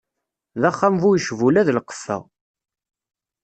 D axxam bu yicbula d lqeffa.